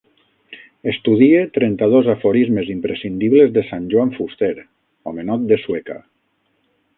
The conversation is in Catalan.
Estudie trenta-dos aforismes imprescindibles de sant Joan Fuster, homenot de Sueca